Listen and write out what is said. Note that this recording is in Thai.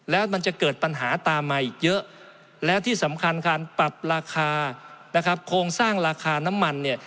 แล้วมันจะเกิดปัญหาตามมาอีกเยอะและที่สำคัญการปรับราคานะครับโครงสร้างราคาน้ำมันเนี่ย